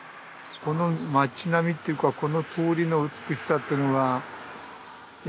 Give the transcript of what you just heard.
この街並みっていうかこの通りの美しさっていうのはいや